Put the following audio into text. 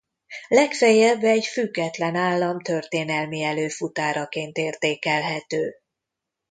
Legfeljebb egy független állam történelmi előfutáraként értékelhető.